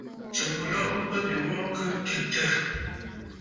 Tsuu mɨlɔ̀ʼɔ̀ mɨ bə̂ bîmɔʼɔ kɨ twitə̂.